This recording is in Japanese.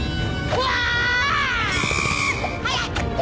うわ！